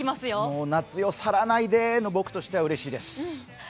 もう、夏よ、去らないでの僕としてはうれしいです。